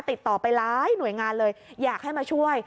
ติดต่อไปหลายหน่วยงานเลยอยากให้มาช่วย